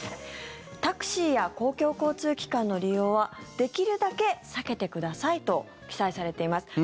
タクシーや公共交通機関の利用はできるだけ避けてくださいと記載されています。